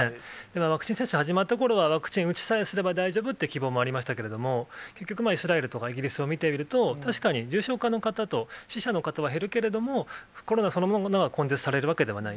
ワクチン接種が始まったころには、ワクチン打ちさえすれば大丈夫っていう希望もありましたけれども、結局、イスラエルとかイギリスを見ていると、確かに重症化の方と、死者の方は減るけれども、コロナそのものは根絶されるわけではない。